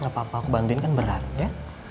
gak apa apa aku bantuin kan berat ya